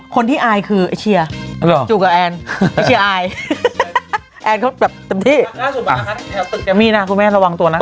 คนที่อายคือไอ้เชียร์จูกกับแอันไอ้เชียร์อายแอันเขาแบบเต็มจริต